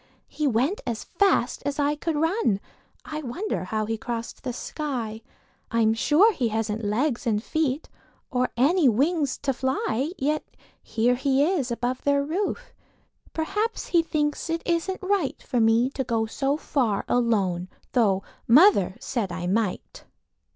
He went as fast as I could run; I wonder how he crossed the sky? I'm sure he hasn't legs and feet Or any wings to fly. Yet here he is above their roof; Perhaps he thinks it isn't right For me to go so far alone, Tho' mother said I might.